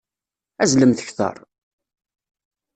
Azzlemt kteṛ!